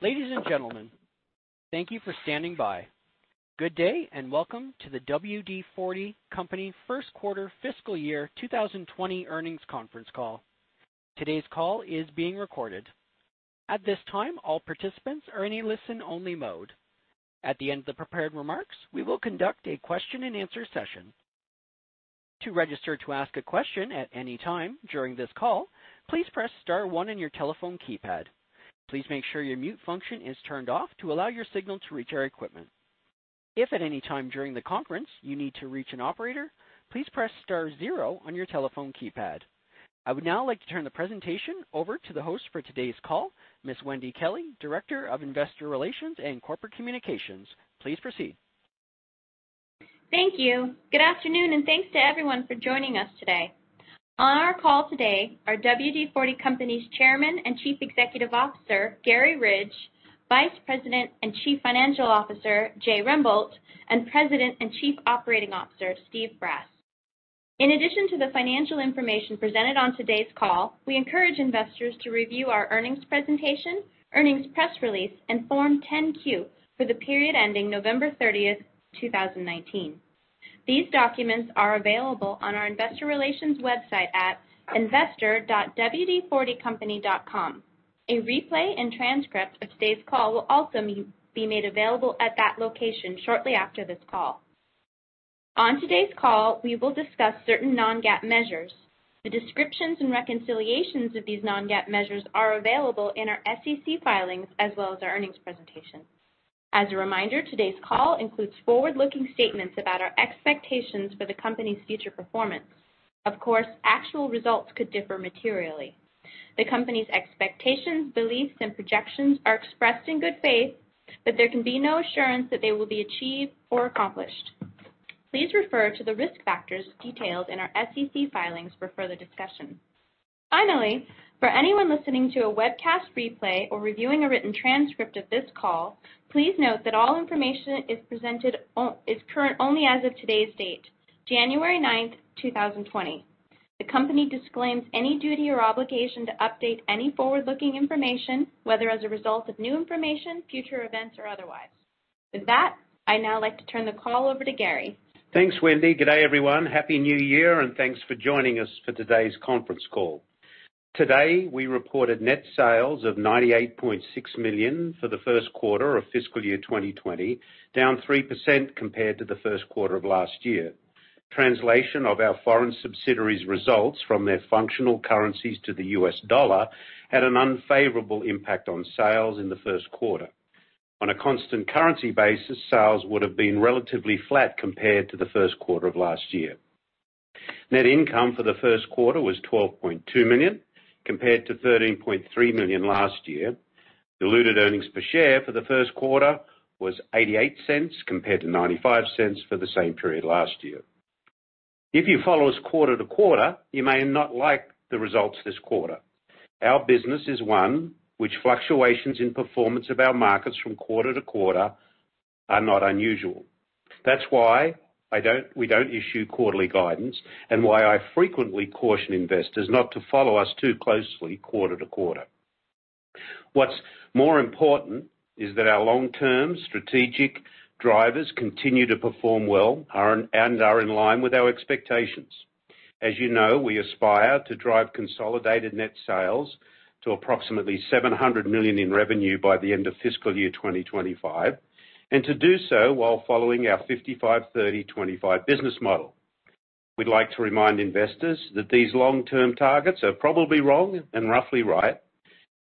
Ladies and gentlemen, thank you for standing by. Good day, and welcome to the WD-40 Company first quarter fiscal year 2020 earnings conference call. Today's call is being recorded. At this time, all participants are in a listen-only mode. At the end of the prepared remarks, we will conduct a question and answer session. To register to ask a question at any time during this call, please press star one on your telephone keypad. Please make sure your mute function is turned off to allow your signal to reach our equipment. If at any time during the conference you need to reach an operator, please press star zero on your telephone keypad. I would now like to turn the presentation over to the host for today's call, Ms. Wendy Kelley, Director of Investor Relations and Corporate Communications. Please proceed. Thank you. Good afternoon, and thanks to everyone for joining us today. On our call today are WD-40 Company's Chairman and Chief Executive Officer, Garry, Vice President and Chief Financial Officer, Jay Rembolt, and President and Chief Operating Officer, Steve Brass. In addition to the financial information presented on today's call, we encourage investors to review our earnings presentation, earnings press release, and Form 10-Q for the period ending November 30th, 2019. These documents are available on our investor relations website at investor.wd40company.com. A replay and transcript of today's call will also be made available at that location shortly after this call. On today's call, we will discuss certain non-GAAP measures. The descriptions and reconciliations of these non-GAAP measures are available in our SEC filings, as well as our earnings presentation. As a reminder, today's call includes forward-looking statements about our expectations for the company's future performance. Of course, actual results could differ materially. The company's expectations, beliefs, and projections are expressed in good faith, but there can be no assurance that they will be achieved or accomplished. Please refer to the risk factors detailed in our SEC filings for further discussion. Finally, for anyone listening to a webcast replay or reviewing a written transcript of this call, please note that all information is current only as of today's date, January 9th, 2020. The company disclaims any duty or obligation to update any forward-looking information, whether as a result of new information, future events, or otherwise. With that, I'd now like to turn the call over to Garry. Thanks, Wendy. Good day, everyone. Happy New Year, and thanks for joining us for today's conference call. Today, we reported net sales of $98.6 million for the first quarter of fiscal year 2020, down 3% compared to the first quarter of last year. Translation of our foreign subsidiaries results from their functional currencies to the U.S. dollar had an unfavorable impact on sales in the first quarter. On a constant currency basis, sales would've been relatively flat compared to the first quarter of last year. Net income for the first quarter was $12.2 million, compared to $13.3 million last year. Diluted earnings per share for the first quarter was $0.88 compared to $0.95 for the same period last year. If you follow us quarter-to-quarter, you may not like the results this quarter. Our business is one which fluctuations in performance of our markets from quarter to quarter are not unusual. That's why we don't issue quarterly guidance, and why I frequently caution investors not to follow us too closely quarter to quarter. What's more important is that our long-term strategic drivers continue to perform well and are in line with our expectations. As you know, we aspire to drive consolidated net sales to approximately $700 million in revenue by the end of fiscal year 2025. To do so while following our 55/30/25 business model, we'd like to remind investors that these long-term targets are probably wrong and roughly right.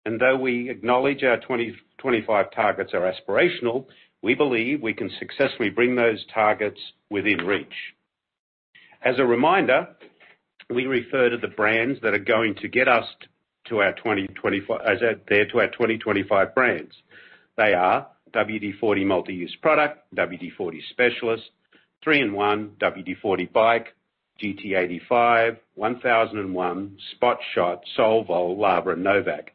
Though we acknowledge our 2025 targets are aspirational, we believe we can successfully bring those targets within reach. As a reminder, we refer to the brands that are going to get us to our 2025 brands. They are WD-40 Multi-Use Product, WD-40 Specialist, 3-IN-ONE, WD-40 BIKE, GT85, 1001, Spot Shot, Solvol, Lava, and No Vac.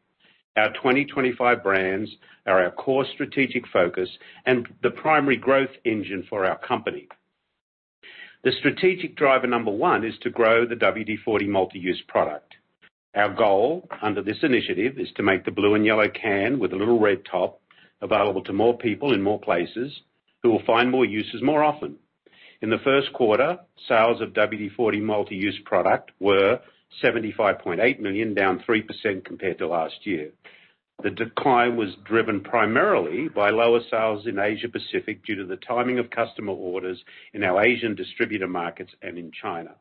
Our 2025 brands are our core strategic focus and the primary growth engine for our company. The strategic driver number 1 is to grow the WD-40 Multi-Use Product. Our goal under this initiative is to make the blue and yellow can with a little red top available to more people in more places who will find more uses more often. In the first quarter, sales of WD-40 Multi-Use Product were $75.8 million, down 3% compared to last year. The decline was driven primarily by lower sales in Asia Pacific due to the timing of customer orders in our Asian distributor markets and in China.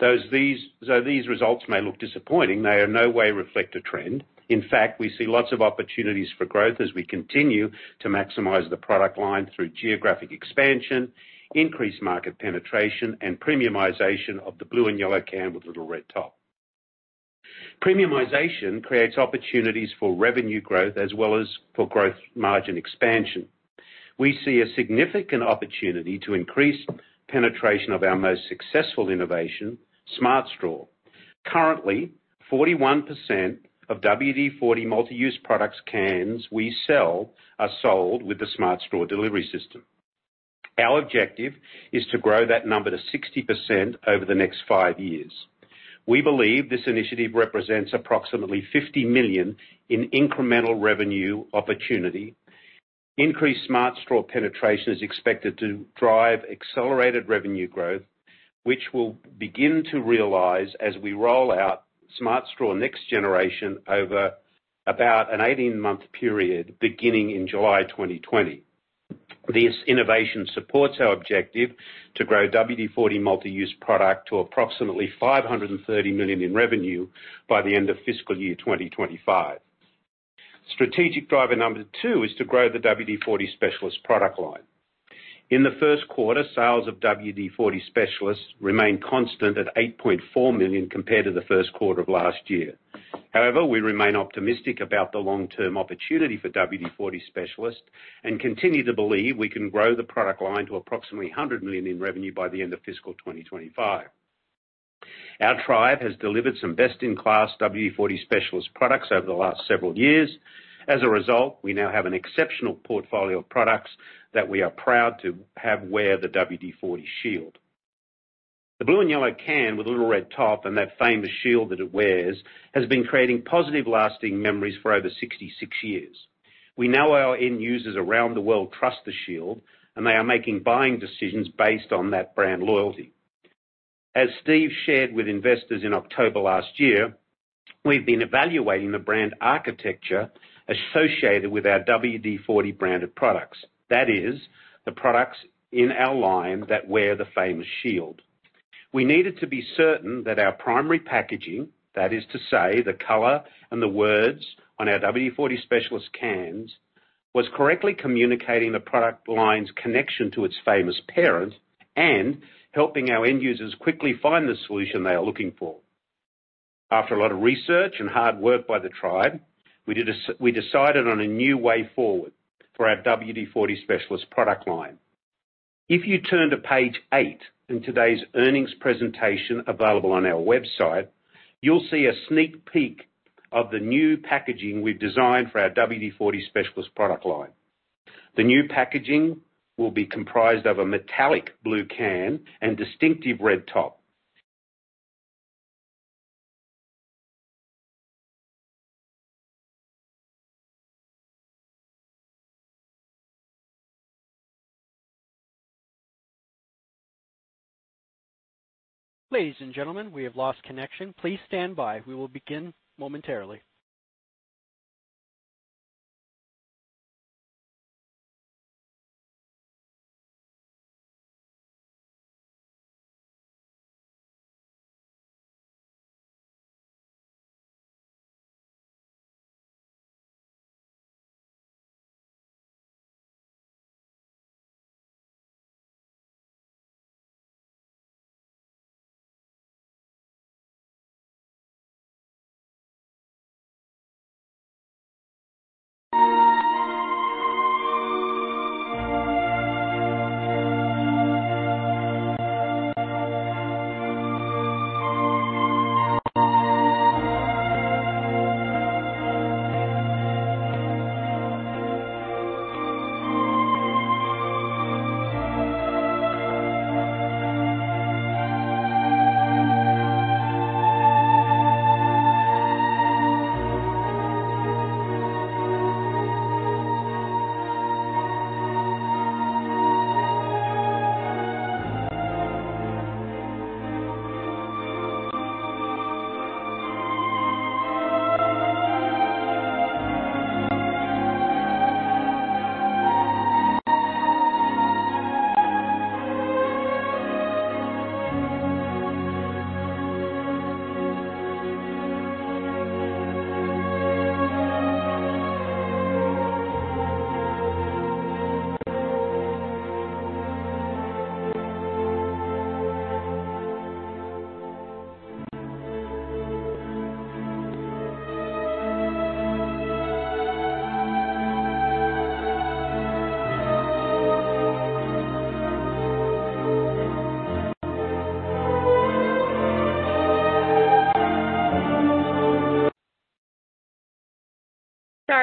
Though these results may look disappointing, they in no way reflect a trend. In fact, we see lots of opportunities for growth as we continue to maximize the product line through geographic expansion, increased market penetration, and premiumization of the blue and yellow can with the little red top. Premiumization creates opportunities for revenue growth as well as for growth margin expansion. We see a significant opportunity to increase penetration of our most successful innovation, Smart Straw. Currently, 41% of WD-40 Multi-Use Product cans we sell are sold with the Smart Straw delivery system. Our objective is to grow that number to 60% over the next five years. We believe this initiative represents approximately $50 million in incremental revenue opportunity. Increased Smart Straw penetration is expected to drive accelerated revenue growth, which we'll begin to realize as we roll out Smart Straw next generation over about an 18-month period beginning in July 2020. This innovation supports our objective to grow WD-40 Multi-Use Product to approximately $530 million in revenue by the end of fiscal year 2025. Strategic driver number 2 is to grow the WD-40 Specialist product line. In the first quarter, sales of WD-40 Specialist remained constant at $8.4 million compared to the first quarter of last year. We remain optimistic about the long-term opportunity for WD-40 Specialist and continue to believe we can grow the product line to approximately $100 million in revenue by the end of fiscal 2025. Our tribe has delivered some best-in-class WD-40 Specialist products over the last several years. As a result, we now have an exceptional portfolio of products that we are proud to have wear the WD-40 shield. The blue and yellow can with a little red top and that famous shield that it wears has been creating positive, lasting memories for over 66 years. We know our end users around the world trust the shield, and they are making buying decisions based on that brand loyalty. As Steve shared with investors in October last year, we've been evaluating the brand architecture associated with our WD-40 branded products. That is, the products in our line that wear the famous shield. We needed to be certain that our primary packaging, that is to say, the color and the words on our WD-40 Specialist cans, was correctly communicating the product line's connection to its famous parent and helping our end users quickly find the solution they are looking for. After a lot of research and hard work by the tribe, we decided on a new way forward for our WD-40 Specialist product line. If you turn to page eight in today's earnings presentation available on our website, you'll see a sneak peek of the new packaging we've designed for our WD-40 Specialist product line. The new packaging will be comprised of a metallic blue can and distinctive red top. Ladies and gentlemen, we have lost connection. Please stand by. We will begin momentarily.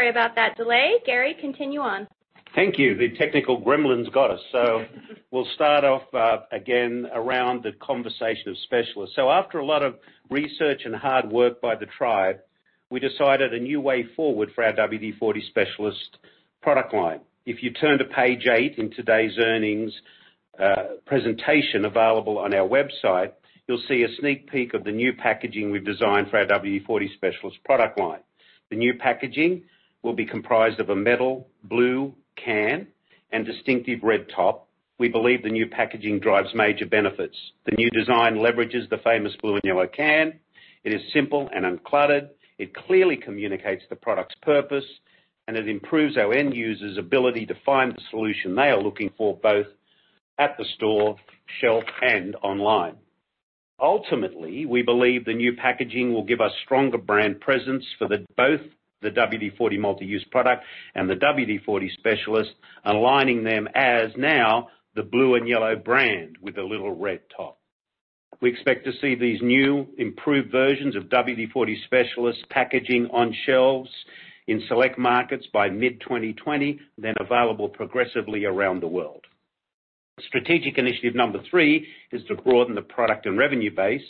Sorry about that delay. Garry, continue on. Thank you. The technical gremlins got us. We'll start off, again, around the conversation of Specialist. After a lot of research and hard work by the tribe, we decided a new way forward for our WD-40 Specialist product line. If you turn to page eight in today's earnings presentation available on our website, you'll see a sneak peek of the new packaging we've designed for our WD-40 Specialist product line. The new packaging will be comprised of a metal blue can and distinctive red top. We believe the new packaging drives major benefits. The new design leverages the famous blue and yellow can. It is simple and uncluttered. It clearly communicates the product's purpose, and it improves our end users' ability to find the solution they are looking for, both at the store shelf and online. Ultimately, we believe the new packaging will give us stronger brand presence for both the WD-40 Multi-Use Product and the WD-40 Specialist, aligning them as now the blue and yellow brand with a little red top. We expect to see these new improved versions of WD-40 Specialist packaging on shelves in select markets by mid-2020, then available progressively around the world. Strategic initiative number three is to broaden the product and revenue base.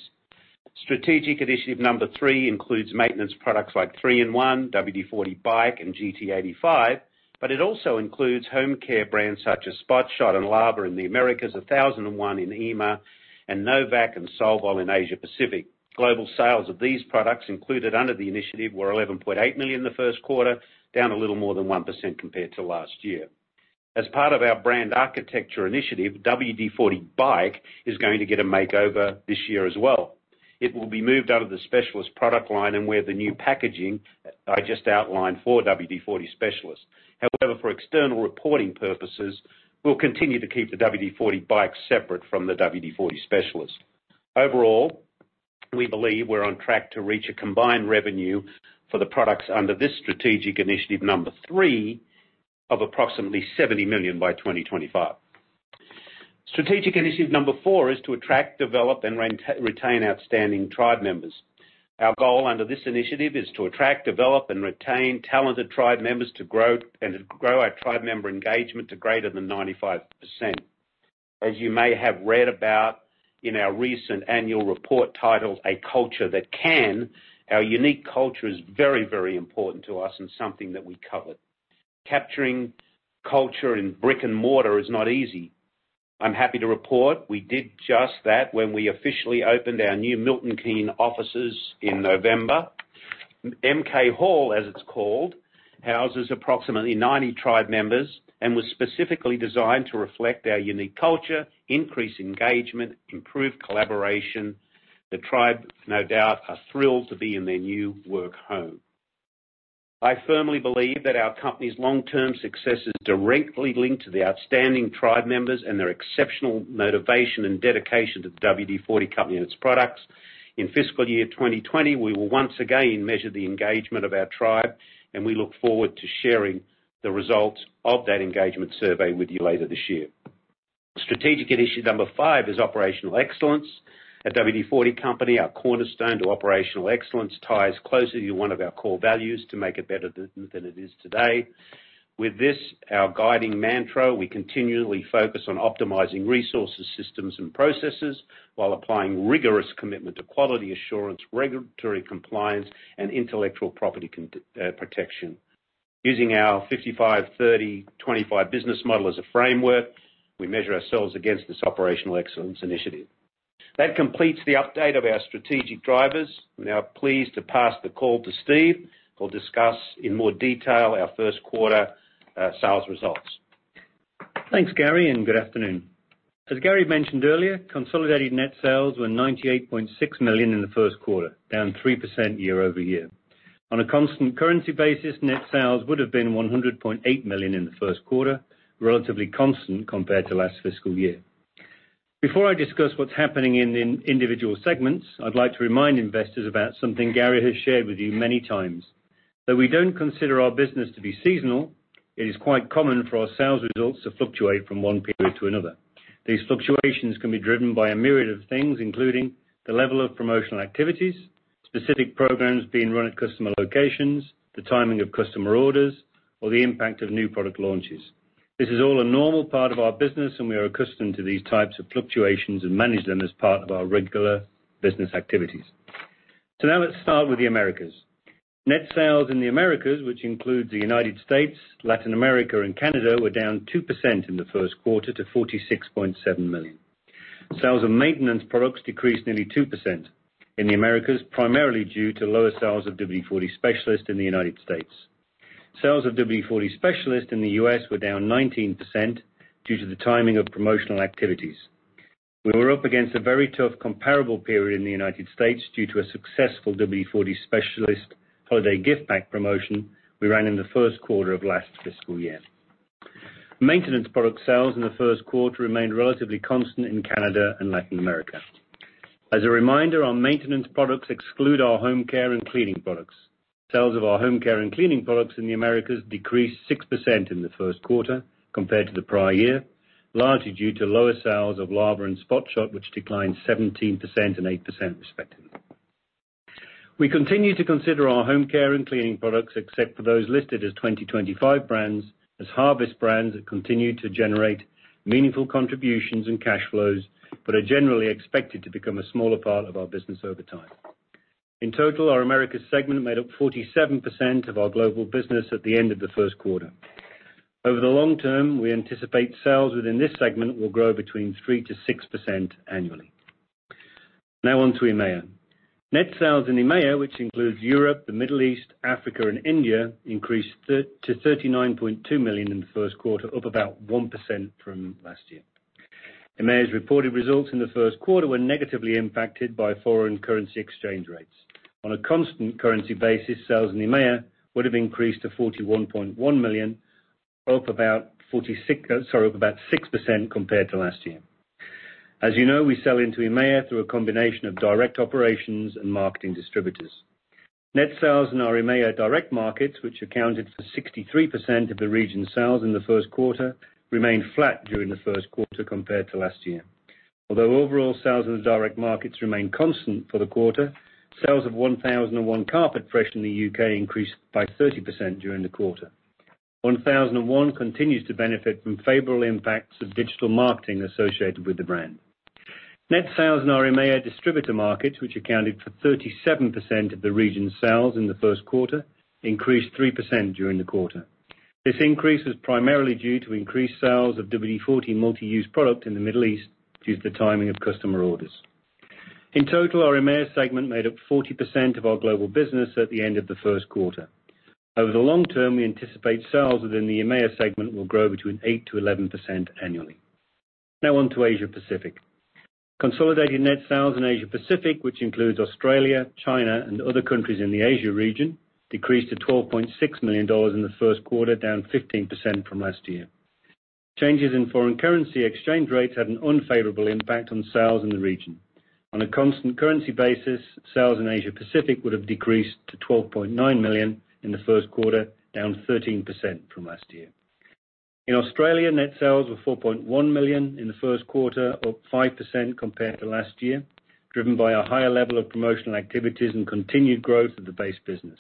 Strategic initiative number three includes maintenance products like 3-IN-ONE, WD-40 BIKE, and GT85, but it also includes home care brands such as Spot Shot and Lava in the Americas, 1001 in EMEA, and No Vac and Solvol in Asia Pacific. Global sales of these products included under the initiative were $11.8 million the first quarter, down a little more than 1% compared to last year. As part of our brand architecture initiative, WD-40 BIKE is going to get a makeover this year as well. It will be moved out of the Specialist product line with the new packaging I just outlined for WD-40 Specialist. For external reporting purposes, we'll continue to keep the WD-40 BIKE separate from the WD-40 Specialist. We believe we're on track to reach a combined revenue for the products under this Strategic initiative number 3 of approximately $70 million by 2025. Strategic initiative number 4 is to attract, develop, and retain outstanding tribe members. Our goal under this initiative is to attract, develop, and retain talented tribe members to grow our tribe member engagement to greater than 95%. As you may have read about in our recent annual report titled "A Culture That Can," our unique culture is very important to us and something that we covered. Capturing culture in brick and mortar is not easy. I'm happy to report we did just that when we officially opened our new Milton Keynes offices in November. MK Hall, as it's called, houses approximately 90 tribe members and was specifically designed to reflect our unique culture, increase engagement, improve collaboration. The tribe, no doubt, are thrilled to be in their new work home. I firmly believe that our company's long-term success is directly linked to the outstanding tribe members and their exceptional motivation and dedication to the WD-40 Company and its products. In fiscal year 2020, we will once again measure the engagement of our tribe, and we look forward to sharing the results of that engagement survey with you later this year. Strategic initiative number five is Operational Excellence. At WD-40 Company, our cornerstone to operational excellence ties closely to one of our core values, to make it better than it is today. With this, our guiding mantra, we continually focus on optimizing resources, systems, and processes while applying rigorous commitment to quality assurance, regulatory compliance, and intellectual property protection. Using our 55/30/25 business model as a framework, we measure ourselves against this operational excellence initiative. That completes the update of our strategic drivers. I'm now pleased to pass the call to Steve, who'll discuss in more detail our first quarter sales results. Thanks, Garry, and good afternoon. As Garry mentioned earlier, consolidated net sales were $98.6 million in the first quarter, down 3% year-over-year. On a constant currency basis, net sales would have been $100.8 million in the first quarter, relatively constant compared to last fiscal year. Before I discuss what's happening in individual segments, I'd like to remind investors about something Garry has shared with you many times. Though we don't consider our business to be seasonal, it is quite common for our sales results to fluctuate from one period to another. These fluctuations can be driven by a myriad of things, including the level of promotional activities, specific programs being run at customer locations, the timing of customer orders, or the impact of new product launches. This is all a normal part of our business, and we are accustomed to these types of fluctuations and manage them as part of our regular business activities. Now let's start with the Americas. Net sales in the Americas, which include the U.S., Latin America, and Canada, were down 2% in the first quarter to $46.7 million. Sales of maintenance products decreased nearly 2% in the Americas, primarily due to lower sales of WD-40 Specialist in the U.S. Sales of WD-40 Specialist in the U.S. were down 19% due to the timing of promotional activities. We were up against a very tough comparable period in the U.S. due to a successful WD-40 Specialist holiday gift bag promotion we ran in the first quarter of last fiscal year. Maintenance product sales in the first quarter remained relatively constant in Canada and Latin America. As a reminder, our maintenance products exclude our home care and cleaning products. Sales of our home care and cleaning products in the Americas decreased 6% in the first quarter compared to the prior year, largely due to lower sales of Lava and Spot Shot, which declined 17% and 8% respectively. We continue to consider our home care and cleaning products, except for those listed as 2025 brands, as harvest brands that continue to generate meaningful contributions and cash flows but are generally expected to become a smaller part of our business over time. In total, our Americas segment made up 47% of our global business at the end of the first quarter. Over the long term, we anticipate sales within this segment will grow between 3%-6% annually. Now on to EMEA. Net sales in EMEA, which includes Europe, the Middle East, Africa, and India, increased to $39.2 million in the first quarter, up about 1% from last year. EMEA's reported results in the first quarter were negatively impacted by foreign currency exchange rates. On a constant currency basis, sales in EMEA would have increased to $41.1 million, up about 6% compared to last year. As you know, we sell into EMEA through a combination of direct operations and marketing distributors. Net sales in our EMEA direct markets, which accounted for 63% of the region's sales in the first quarter, remained flat during the first quarter compared to last year. Although overall sales in the direct markets remained constant for the quarter, sales of 1001 Carpet Fresh in the U.K. increased by 30% during the quarter. 1001 continues to benefit from favorable impacts of digital marketing associated with the brand. Net sales in our EMEA distributor markets, which accounted for 37% of the region's sales in the first quarter, increased 3% during the quarter. This increase is primarily due to increased sales of WD-40 Multi-Use Product in the Middle East due to the timing of customer orders. In total, our EMEA segment made up 40% of our global business at the end of the first quarter. Over the long term, we anticipate sales within the EMEA segment will grow between 8%-11% annually. Now on to Asia Pacific. Consolidated net sales in Asia Pacific, which includes Australia, China, and other countries in the Asia region, decreased to $12.6 million in the first quarter, down 15% from last year. Changes in foreign currency exchange rates had an unfavorable impact on sales in the region. On a constant currency basis, sales in Asia Pacific would have decreased to $12.9 million in the first quarter, down 13% from last year. In Australia, net sales were $4.1 million in the first quarter, up 5% compared to last year, driven by a higher level of promotional activities and continued growth of the base business.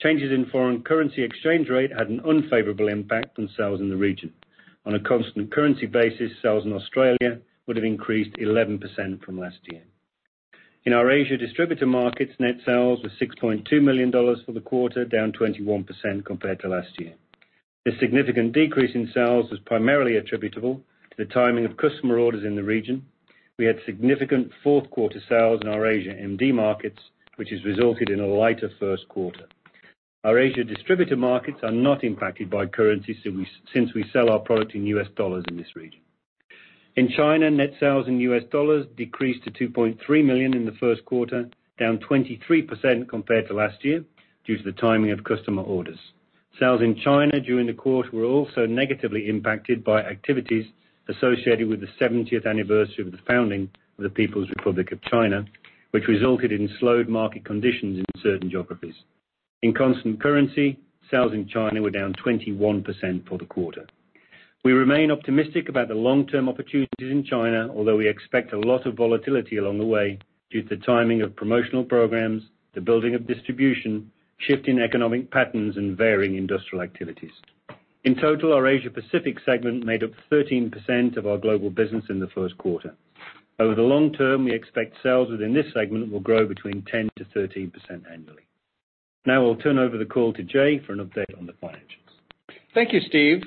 Changes in foreign currency exchange rate had an unfavorable impact on sales in the region. On a constant currency basis, sales in Australia would have increased 11% from last year. In our Asia distributor markets, net sales were $6.2 million for the quarter, down 21% compared to last year. This significant decrease in sales was primarily attributable to the timing of customer orders in the region. We had significant fourth quarter sales in our Asia MD markets, which has resulted in a lighter first quarter. Our Asia distributor markets are not impacted by currency since we sell our product in US dollars in this region. In China, net sales in US dollars decreased to $2.3 million in the first quarter, down 23% compared to last year due to the timing of customer orders. Sales in China during the quarter were also negatively impacted by activities associated with the 70th anniversary of the founding of the People's Republic of China, which resulted in slowed market conditions in certain geographies. In constant currency, sales in China were down 21% for the quarter. We remain optimistic about the long-term opportunities in China, although we expect a lot of volatility along the way due to the timing of promotional programs, the building of distribution, shifting economic patterns, and varying industrial activities. In total, our Asia Pacific segment made up 13% of our global business in the first quarter. Over the long term, we expect sales within this segment will grow between 10%-13% annually. I'll turn over the call to Jay for an update on the financials. Thank you, Steve.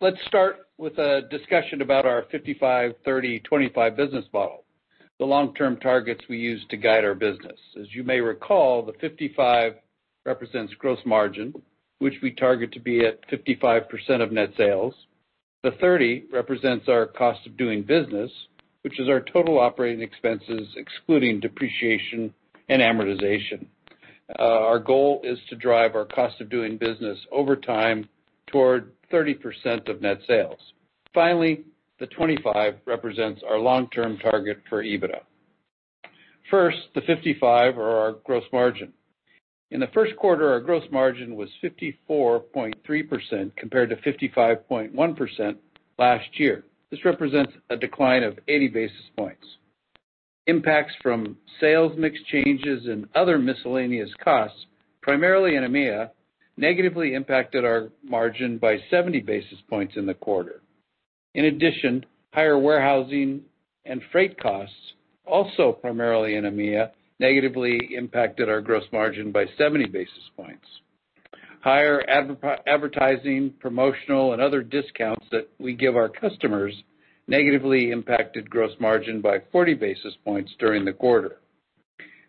Let's start with a discussion about our 55/30/25 business model, the long-term targets we use to guide our business. As you may recall, the 55 represents gross margin, which we target to be at 55% of net sales. The 30 represents our cost of doing business, which is our total operating expenses, excluding depreciation and amortization. Our goal is to drive our cost of doing business over time toward 30% of net sales. Finally, the 25 represents our long-term target for EBITDA. First, the 55, or our gross margin. In the first quarter, our gross margin was 54.3% compared to 55.1% last year. This represents a decline of 80 basis points. Impacts from sales mix changes and other miscellaneous costs, primarily in EMEA, negatively impacted our margin by 70 basis points in the quarter. Higher warehousing and freight costs, also primarily in EMEA, negatively impacted our gross margin by 70 basis points. Higher advertising, promotional, and other discounts that we give our customers negatively impacted gross margin by 40 basis points during the quarter.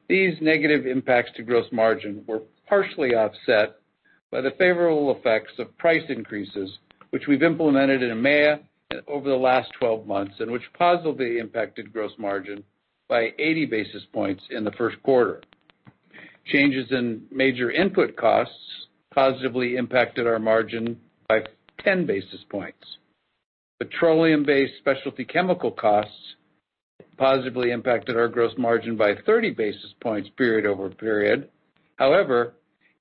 These negative impacts to gross margin were partially offset by the favorable effects of price increases, which we've implemented in EMEA over the last 12 months and which positively impacted gross margin by 80 basis points in the first quarter. Changes in major input costs positively impacted our margin by 10 basis points. Petroleum-based specialty chemical costs positively impacted our gross margin by 30 basis points period over period.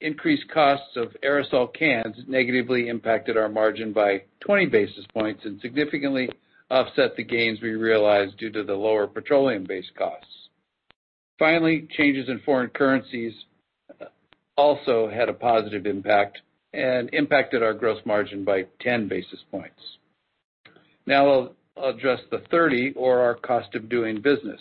Increased costs of aerosol cans negatively impacted our margin by 20 basis points and significantly offset the gains we realized due to the lower petroleum-based costs. Changes in foreign currencies also had a positive impact and impacted our gross margin by 10 basis points. I'll address the 30, or our cost of doing business.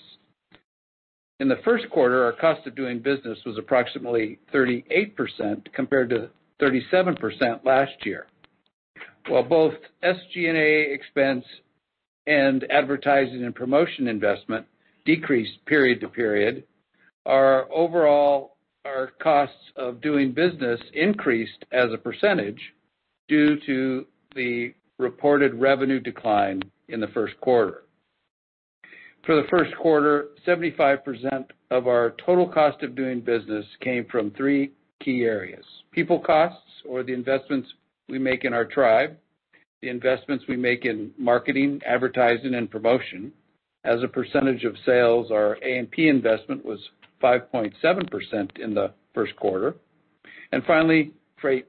In the first quarter, our cost of doing business was approximately 38% compared to 37% last year. While both SG&A expense and advertising and promotion investment decreased period to period, our costs of doing business increased as a percentage due to the reported revenue decline in the first quarter. For the first quarter, 75% of our total cost of doing business came from three key areas. People costs, or the investments we make in our tribe. The investments we make in marketing, advertising, and promotion. As a percentage of sales, our A&P investment was 5.7% in the first quarter. Finally, freight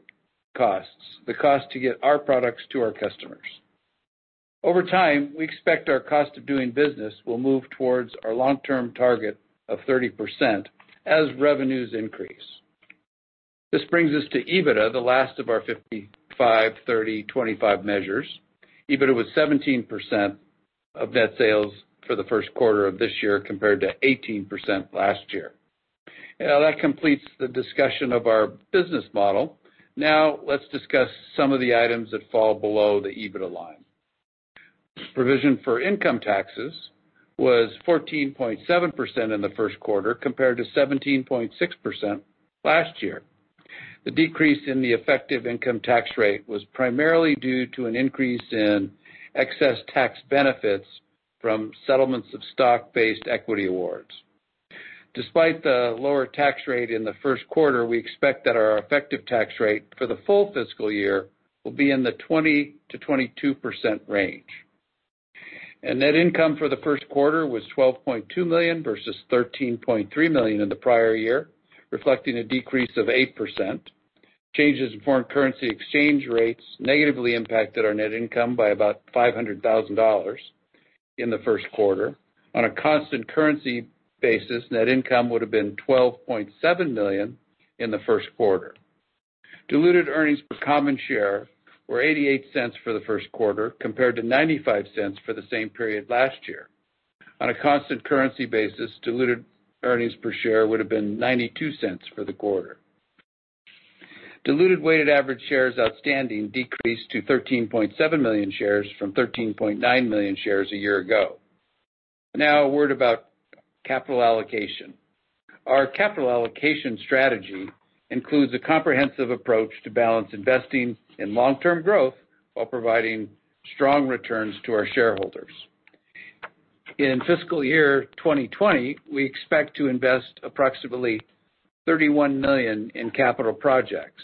costs, the cost to get our products to our customers. Over time, we expect our cost of doing business will move towards our long-term target of 30% as revenues increase. This brings us to EBITDA, the last of our 55/30/25 measures. EBITDA was 17% of net sales for the first quarter of this year, compared to 18% last year. That completes the discussion of our business model. Now, let's discuss some of the items that fall below the EBITDA line. Provision for income taxes was 14.7% in the first quarter, compared to 17.6% last year. The decrease in the effective income tax rate was primarily due to an increase in excess tax benefits from settlements of stock-based equity awards. Despite the lower tax rate in the first quarter, we expect that our effective tax rate for the full fiscal year will be in the 20%-22% range. Net income for the first quarter was $12.2 million versus $13.3 million in the prior year, reflecting a decrease of 8%. Changes in foreign currency exchange rates negatively impacted our net income by about $500,000 in the first quarter. On a constant currency basis, net income would've been $12.7 million in the first quarter. Diluted earnings per common share were $0.88 for the first quarter, compared to $0.95 for the same period last year. On a constant currency basis, diluted earnings per share would've been $0.92 for the quarter. Diluted weighted average shares outstanding decreased to 13.7 million shares from 13.9 million shares a year ago. Now, a word about capital allocation. Our capital allocation strategy includes a comprehensive approach to balance investing in long-term growth while providing strong returns to our shareholders. In fiscal year 2020, we expect to invest approximately $31 million in capital projects.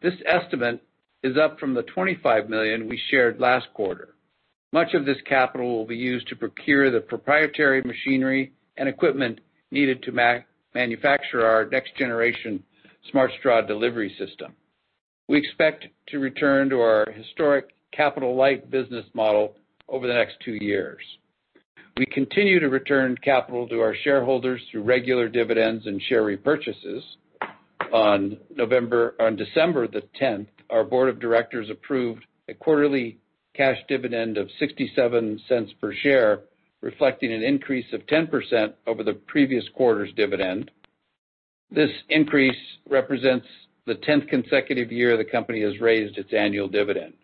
This estimate is up from the $25 million we shared last quarter. Much of this capital will be used to procure the proprietary machinery and equipment needed to manufacture our next generation Smart Straw delivery system. We expect to return to our historic capital-light business model over the next two years. We continue to return capital to our shareholders through regular dividends and share repurchases. On December 10th, our board of directors approved a quarterly cash dividend of $0.67 per share, reflecting an increase of 10% over the previous quarter's dividend. This increase represents the 10th consecutive year the company has raised its annual dividend.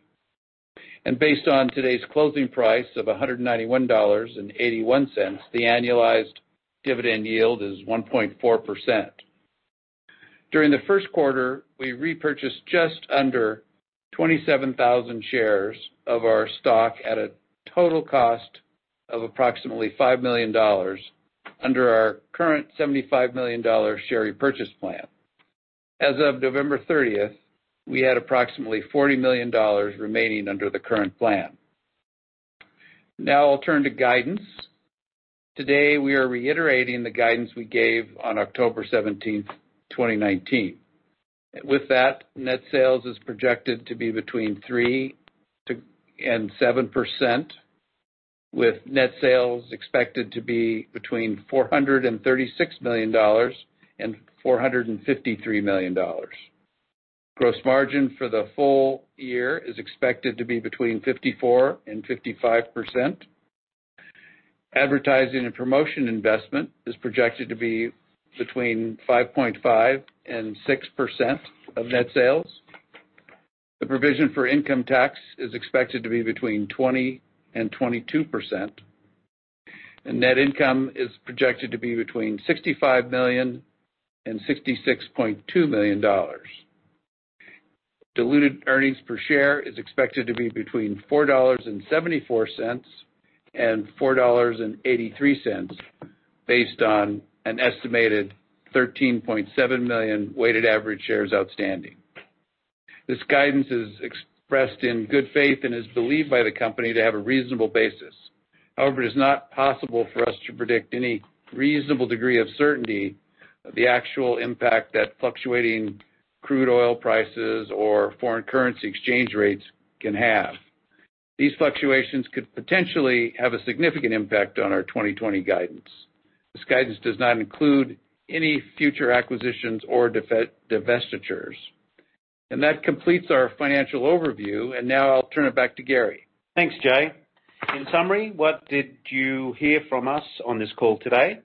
Based on today's closing price of $191.81, the annualized dividend yield is 1.4%. During the first quarter, we repurchased just under 27,000 shares of our stock at a total cost of approximately $5 million under our current $75 million share repurchase plan. As of November 30th, we had approximately $40 million remaining under the current plan. Now I'll turn to guidance. Today, we are reiterating the guidance we gave on October 17th, 2019. With that, net sales is projected to be between 3% and 7%, with net sales expected to be between $436 million and $453 million. Gross margin for the full year is expected to be between 54% and 55%. Advertising and promotion investment is projected to be between 5.5% and 6% of net sales. The provision for income tax is expected to be between 20% and 22%, and net income is projected to be between $65 million and $66.2 million. Diluted earnings per share is expected to be between $4.74 and $4.83, based on an estimated 13.7 million weighted average shares outstanding. This guidance is expressed in good faith and is believed by the company to have a reasonable basis. However, it is not possible for us to predict any reasonable degree of certainty of the actual impact that fluctuating crude oil prices or foreign currency exchange rates can have. These fluctuations could potentially have a significant impact on our 2020 guidance. This guidance does not include any future acquisitions or divestitures. That completes our financial overview, and now I'll turn it back to Garry. Thanks, Jay. In summary, what did you hear from us on this call today?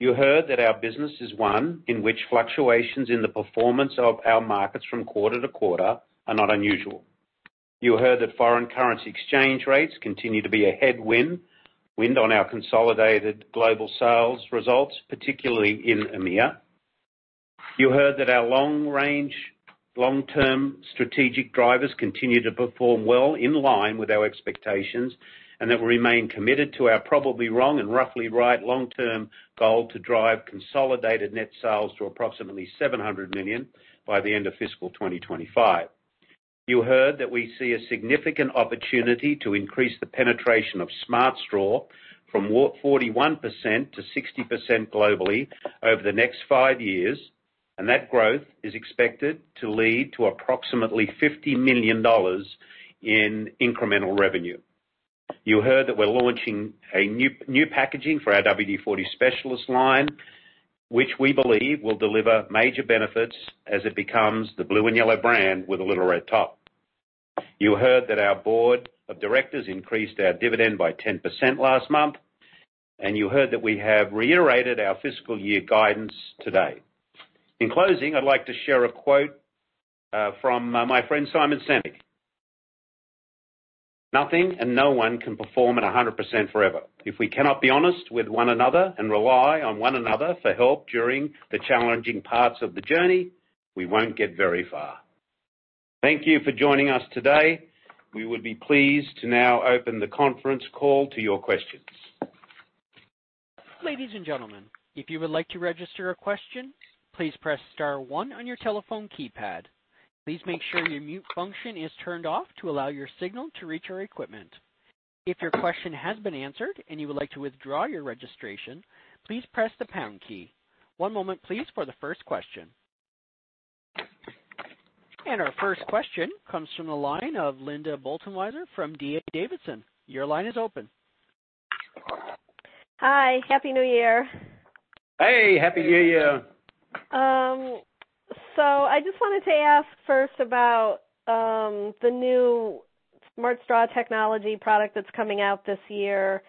You heard that our business is one in which fluctuations in the performance of our markets from quarter to quarter are not unusual. You heard that foreign currency exchange rates continue to be a headwind on our consolidated global sales results, particularly in EIMEA. You heard that our long range, long-term strategic drivers continue to perform well in line with our expectations, and that we remain committed to our probably wrong and roughly right long-term goal to drive consolidated net sales to approximately $700 million by the end of fiscal 2025. You heard that we see a significant opportunity to increase the penetration of Smart Straw from 41% to 60% globally over the next five years, and that growth is expected to lead to approximately $50 million in incremental revenue. You heard that we're launching a new packaging for our WD-40 Specialist line, which we believe will deliver major benefits as it becomes the blue and yellow brand with a little red top. You heard that our board of directors increased our dividend by 10% last month, and you heard that we have reiterated our fiscal year guidance today. In closing, I'd like to share a quote from my friend Simon Sinek. "Nothing and no one can perform at 100% forever. If we cannot be honest with one another and rely on one another for help during the challenging parts of the journey, we won't get very far." Thank you for joining us today. We would be pleased to now open the conference call to your questions. Ladies and gentlemen, if you would like to register a question, please press *1 on your telephone keypad. Please make sure your mute function is turned off to allow your signal to reach our equipment. If your question has been answered and you would like to withdraw your registration, please press the # key. One moment, please, for the first question. Our first question comes from the line of Linda Bolton-Weiser from D.A. Davidson. Your line is open. Hi. Happy New Year. Hey, Happy New Year. I just wanted to ask first about the new Smart Straw technology product that's coming out this year.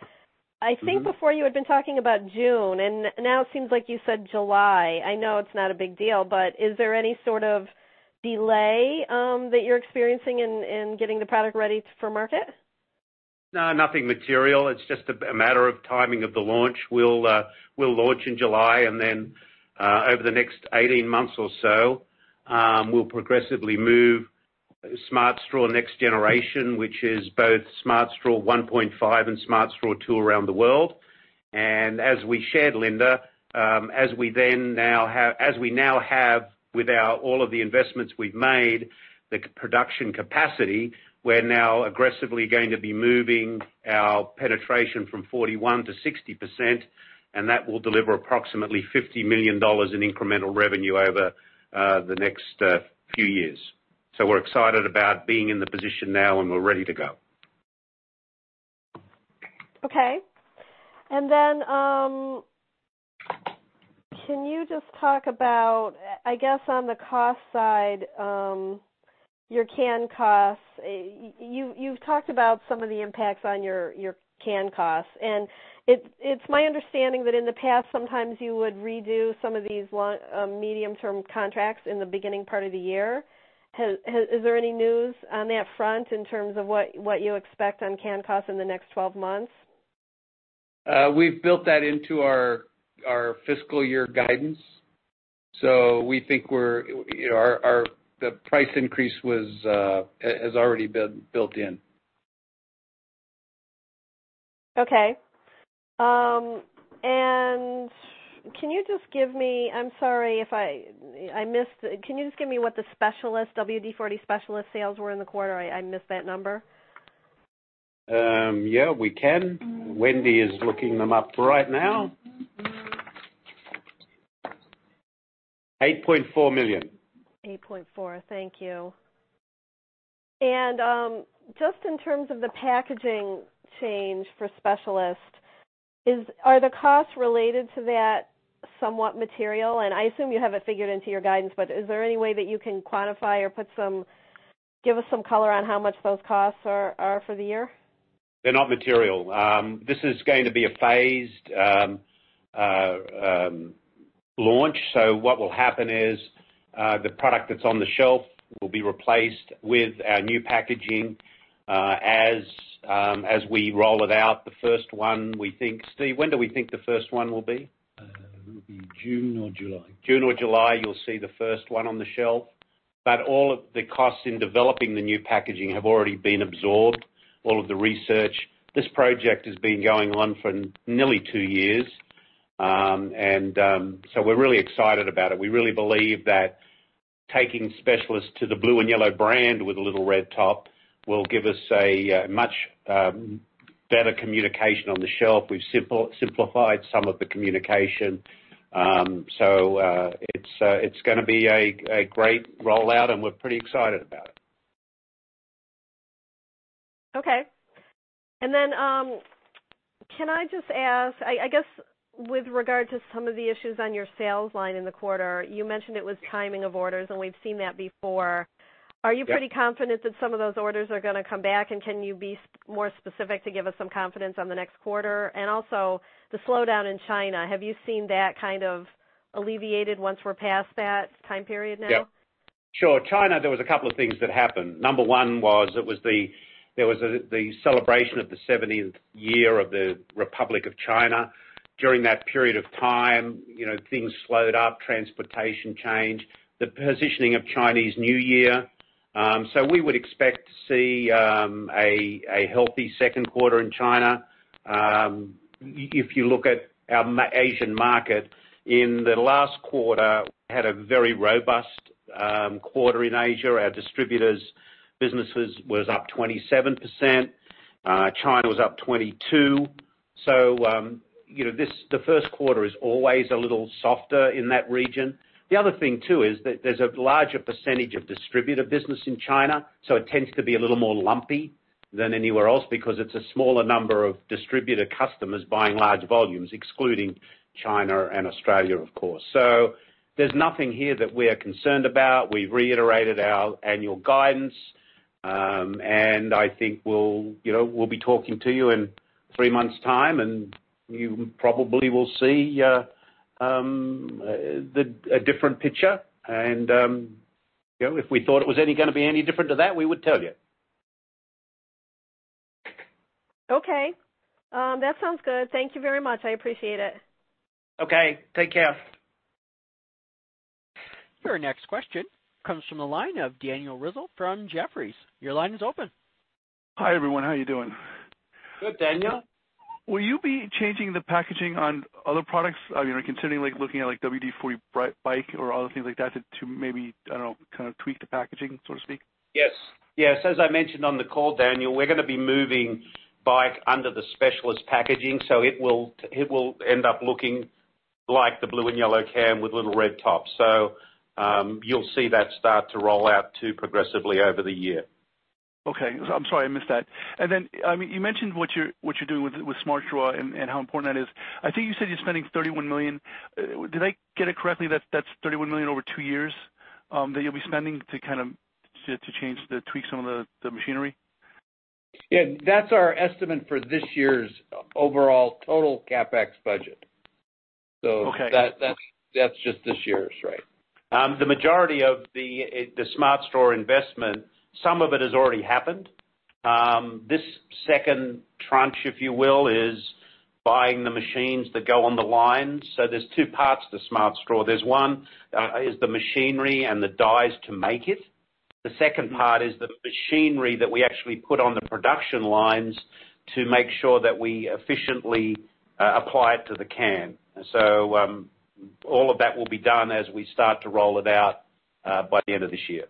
I think before you had been talking about June, and now it seems like you said July. I know it's not a big deal, but is there any sort of delay that you're experiencing in getting the product ready for market? No, nothing material. It's just a matter of timing of the launch. We'll launch in July, and then over the next 18 months or so, we'll progressively move Smart Straw next generation, which is both Smart Straw 1.5 and Smart Straw 2, around the world. As we shared, Linda, as we now have, with all of the investments we've made, the production capacity, we're now aggressively going to be moving our penetration from 41% to 60%, and that will deliver approximately $50 million in incremental revenue over the next few years. We're excited about being in the position now, and we're ready to go. Okay. Can you just talk about, I guess, on the cost side, your can costs? You've talked about some of the impacts on your can costs, and it's my understanding that in the past, sometimes you would redo some of these medium-term contracts in the beginning part of the year. Is there any news on that front in terms of what you expect on can costs in the next 12 months? We've built that into our fiscal year guidance. We think the price increase has already been built in. Okay. Can you just give me, I'm sorry if I missed it, can you just give me what the WD-40 Specialist sales were in the quarter? I missed that number. Yeah, we can. Wendy is looking them up right now. $8.4 million. $8.4, thank you. Just in terms of the packaging change for Specialist, are the costs related to that somewhat material? I assume you have it figured into your guidance, but is there any way that you can quantify or give us some color on how much those costs are for the year? They're not material. This is going to be a phased launch. What will happen is, the product that's on the shelf will be replaced with our new packaging as we roll it out. The first one, Steve, when do we think the first one will be? It will be June or July. June or July, you'll see the first one on the shelf. All of the costs in developing the new packaging have already been absorbed, all of the research. This project has been going on for nearly two years. We're really excited about it. We really believe that taking Specialist to the blue and yellow brand with a little red top will give us a much better communication on the shelf. We've simplified some of the communication. It's going to be a great rollout, and we're pretty excited about it. Okay. Can I just ask, I guess, with regard to some of the issues on your sales line in the quarter, you mentioned it was timing of orders, and we've seen that before. Yeah. Are you pretty confident that some of those orders are going to come back, and can you be more specific to give us some confidence on the next quarter? Also, the slowdown in China, have you seen that kind of alleviated once we're past that time period now? Yeah. Sure. China, there was a couple of things that happened. Number one was there was the celebration of the 70th year of the People's Republic of China. During that period of time, things slowed up, transportation changed, the positioning of Chinese New Year. We would expect to see a healthy second quarter in China. If you look at our Asian market, in the last quarter, we had a very robust quarter in Asia. Our distributors business was up 27%. China was up 22%. The first quarter is always a little softer in that region. The other thing too is that there's a larger percentage of distributor business in China, so it tends to be a little more lumpy than anywhere else because it's a smaller number of distributor customers buying large volumes, excluding China and Australia, of course. There's nothing here that we are concerned about. We've reiterated our annual guidance. I think we'll be talking to you in three months' time, and you probably will see a different picture. If we thought it was going to be any different to that, we would tell you. Okay. That sounds good. Thank you very much. I appreciate it. Okay. Take care. Your next question comes from the line of Daniel Rizzo from Jefferies. Your line is open. Hi, everyone. How are you doing? Good, Daniel. Will you be changing the packaging on other products? Are you considering looking at WD-40 BIKE or other things like that to maybe, I don't know, kind of tweak the packaging, so to speak? Yes. As I mentioned on the call, Daniel, we're going to be moving BIKE under the Specialist packaging, so it will end up looking like the blue and yellow can with little red tops. You'll see that start to roll out too progressively over the year. Okay. I'm sorry I missed that. Then, you mentioned what you're doing with Smart Straw and how important that is. I think you said you're spending $31 million. Did I get it correctly that that's $31 million over two years that you'll be spending to change, to tweak some of the machinery? That's our estimate for this year's overall total CapEx budget. Okay. That's just this year's, right. The majority of the Smart Straw investment, some of it has already happened. This second tranche, if you will, is buying the machines that go on the line. There's two parts to Smart Straw. There's one, is the machinery and the dyes to make it. The second part is the machinery that we actually put on the production lines to make sure that we efficiently apply it to the can. All of that will be done as we start to roll it out by the end of this year.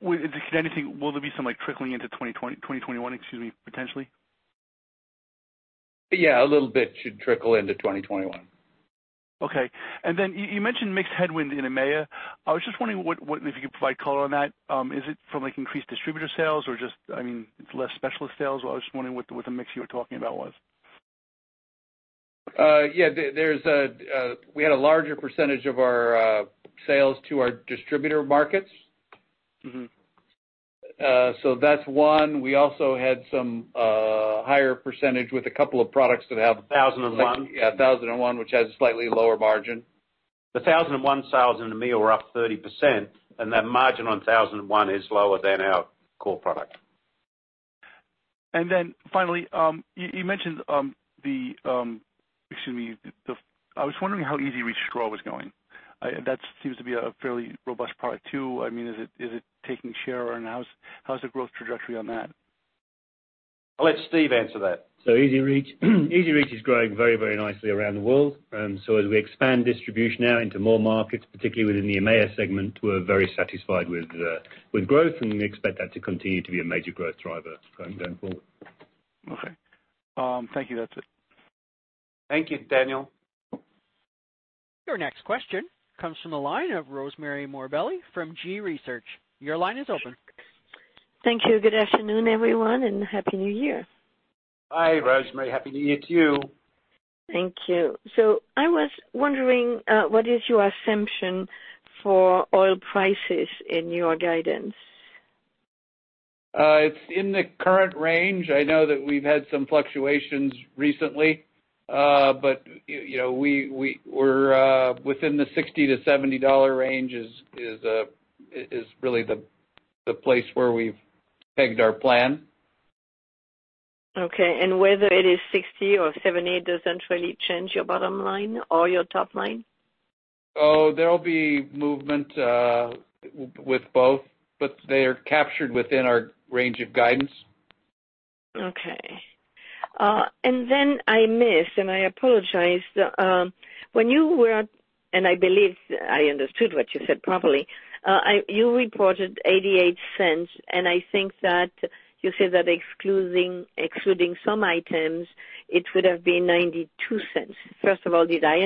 Will there be some trickling into 2021, excuse me, potentially? A little bit should trickle into 2021. Okay. Then you mentioned mixed headwind in EMEA. I was just wondering if you could provide color on that. Is it from increased distributor sales or just less specialist sales? I was just wondering what the mix you were talking about was. Yeah, we had a larger percentage of our sales to our distributor markets. That's one. We also had some higher percentage with a couple of products that have. 1001. Yeah, 1001, which has a slightly lower margin. The 1001 sales in EMEA were up 30%, and that margin on 1001 is lower than our core product. Finally, excuse me. I was wondering how EZ-REACH straw was going. That seems to be a fairly robust product too. Is it taking share and how's the growth trajectory on that? I'll let Steve answer that. EZ-REACH is growing very nicely around the world. As we expand distribution now into more markets, particularly within the EMEA segment, we're very satisfied with growth, and we expect that to continue to be a major growth driver going forward. Okay. Thank you. That's it. Thank you, Daniel. Your next question comes from the line of Rosemarie Morbelli from G.research. Your line is open. Thank you. Good afternoon, everyone, and Happy New Year. Hi, Rosemarie. Happy New Year to you. Thank you. I was wondering, what is your assumption for oil prices in your guidance? It's in the current range. I know that we've had some fluctuations recently. Within the $60-$70 range is really the place where we've pegged our plan. Okay. Whether it is 60 or 70 doesn't really change your bottom line or your top line? Oh, there'll be movement with both, but they are captured within our range of guidance. Okay. I missed, and I apologize. I believe I understood what you said properly. You reported $0.88, and I think that you said that excluding some items, it would have been $0.92. First of all, did I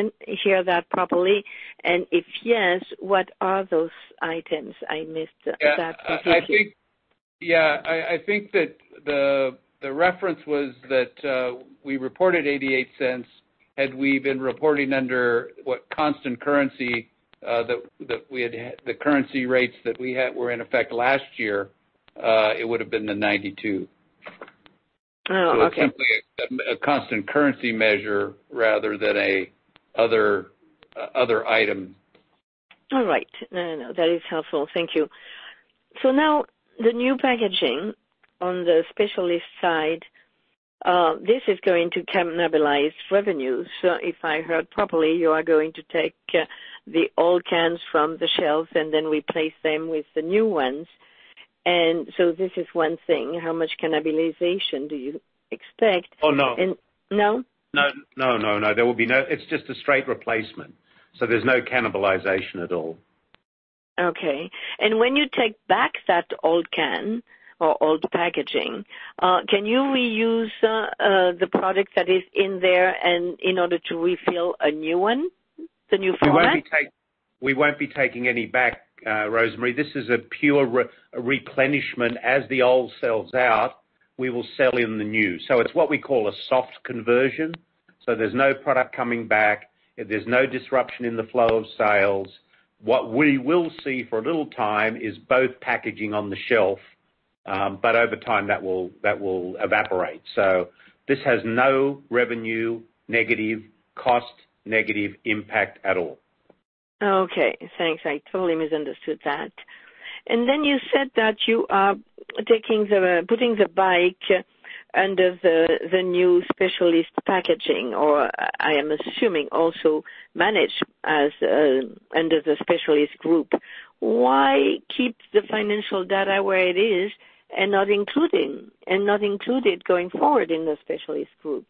hear that properly? If yes, what are those items I missed? Yeah, I think that the reference was that we reported $0.88. Had we been reporting under what constant currency the currency rates that were in effect last year, it would've been the $0.92. Oh, okay. It's simply a constant currency measure rather than other item. All right. No, that is helpful. Thank you. Now the new packaging on the Specialist side, this is going to cannibalize revenues. If I heard properly, you are going to take the old cans from the shelves and then replace them with the new ones. This is one thing. How much cannibalization do you expect? Oh, no. No? No. It's just a straight replacement, so there's no cannibalization at all. Okay. When you take back that old can or old packaging, can you reuse the product that is in there in order to refill a new one, the new format? We won't be taking any back, Rosemarie. This is a pure replenishment. As the old sells out, we will sell in the new. It's what we call a soft conversion, there's no product coming back. There's no disruption in the flow of sales. What we will see for a little time is both packaging on the shelf, but over time, that will evaporate. This has no revenue negative cost, negative impact at all. Okay, thanks. I totally misunderstood that. You said that you are putting the Bike under the new Specialist packaging, or I am assuming, also managed under the Specialist group. Why keep the financial data where it is and not include it going forward in the Specialist group?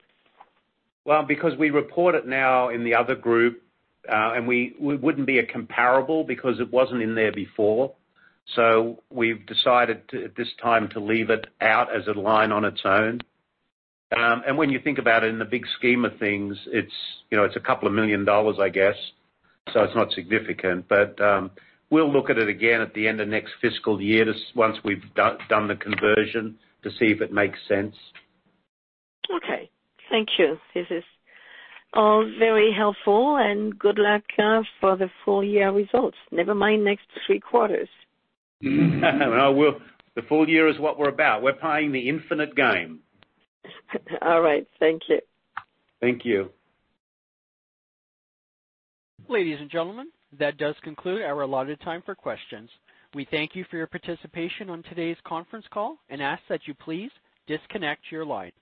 Because we report it now in the other group, and it wouldn't be comparable because it wasn't in there before. We've decided, at this time, to leave it out as a line on its own. When you think about it in the big scheme of things, it's a couple of million dollars, I guess. It's not significant. We'll look at it again at the end of next fiscal year, once we've done the conversion to see if it makes sense. Okay. Thank you. This is all very helpful, and good luck for the full-year results. Never mind next three quarters. The full year is what we're about. We're playing the infinite game. All right. Thank you. Thank you. Ladies and gentlemen, that does conclude our allotted time for questions. We thank you for your participation on today's conference call and ask that you please disconnect your line.